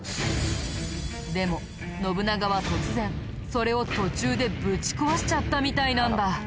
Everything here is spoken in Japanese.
でも信長は突然それを途中でぶち壊しちゃったみたいなんだ。